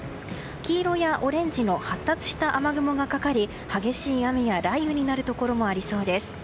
黄色やオレンジの発達した雨雲がかかり激しい雨や雷雨になるところもありそうです。